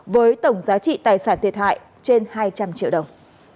với tổng giá trị tài sản thiệt hại trên hai trăm linh triệu đồng